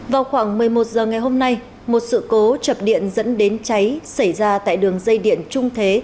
vào khoảng một mươi một h ngày hôm nay một sự cố chập điện dẫn đến cháy xảy ra tại đường dây điện trung thế